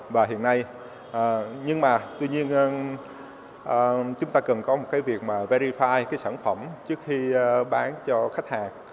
và hiện nay nhưng mà tuy nhiên chúng ta cần có một cái việc mà verify cái sản phẩm trước khi bán cho khách hàng